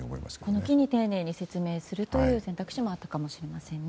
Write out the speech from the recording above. これを機に丁寧に説明するという選択肢もあったかもしれませんね。